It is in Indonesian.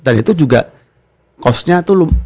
dan itu juga cost nya itu